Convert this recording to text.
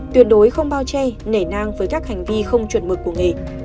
tuyệt đối không bao che nể nang với các hành vi không chuẩn mực của nghề